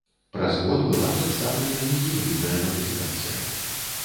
Праз год была прадстаўлена і гібрыдная мадыфікацыя.